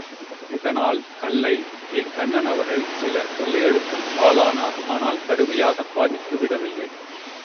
இதனால், கல்லை, தே.கண்ணன் அவர்கள் சில தொல்லைகளுக்கும் ஆளானார் ஆனால், கடுமையாகப் பாதித்து விடவில்லை.